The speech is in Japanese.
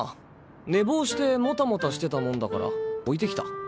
寝坊してモタモタしてたもんだから置いてきた。